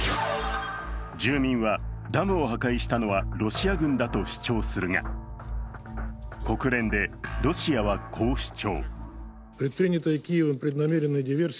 住民は、ダムを破壊したのはロシア軍だと主張するが、国連でロシアは、こう主張。